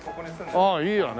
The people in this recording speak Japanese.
ああいいよね。